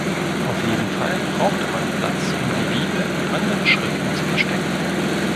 Auf jeden Fall brauchte man Platz, um die Bibel und andere Schriften zu verstecken.